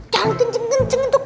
jangan kenceng kenceng itu